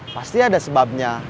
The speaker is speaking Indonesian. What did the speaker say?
pasti ada sebabnya